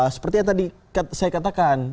seperti yang tadi saya katakan